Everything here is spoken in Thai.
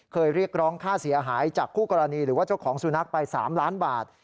เรียกร้องค่าเสียหายจากคู่กรณีหรือว่าเจ้าของสุนัขไป๓ล้านบาท